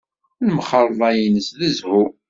Lemxalḍa-nnes d zzhu.